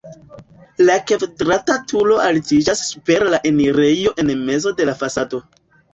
La kvadrata turo altiĝas super la enirejo en mezo de la fasado.